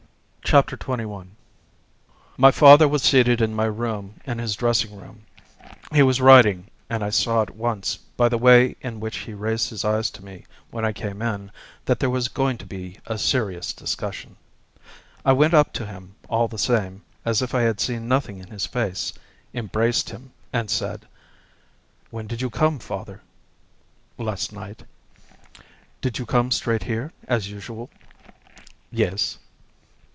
Chapter XX My father was seated in my room in his dressing gown; he was writing, and I saw at once, by the way in which he raised his eyes to me when I came in, that there was going to be a serious discussion. I went up to him, all the same, as if I had seen nothing in his face, embraced him, and said: "When did you come, father?" "Last night." "Did you come straight here, as usual?" "Yes."